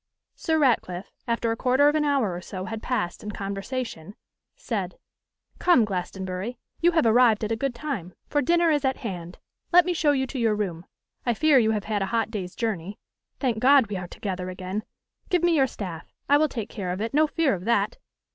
Sir Ratcliffe, after a quarter of an hour or so had passed in conversation, said: 'Come, Glastonbury, you have arrived at a good time, for dinner is at hand. Let me show you to your room. I fear you have had a hot day's journey. Thank God, we are together again. Give me your staff; I will take care of it; no fear of that.